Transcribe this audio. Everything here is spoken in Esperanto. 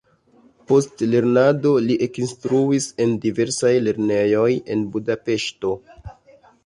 Post lernado li ekinstruis en diversaj lernejoj en Budapeŝto.